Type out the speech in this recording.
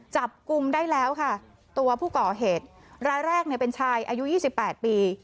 จับกลุ่มได้แล้วค่ะตัวผู้ก่อเหตุรายแรกเนี่ยเป็นชายอายุ๒๘ปี